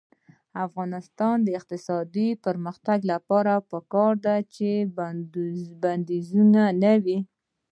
د افغانستان د اقتصادي پرمختګ لپاره پکار ده چې بندیزونه نه وي.